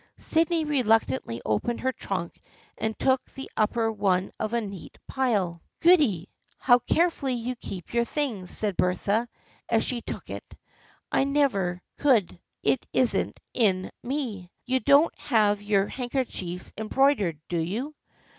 Sydney reluctantly opened her trunk and took the upper one of a neat pile. " Goody ! How carefully you keep your things," said Bertha, as she took it. " I never could. It isn't in me. You don't have your handkerchiefs embroidered, do you?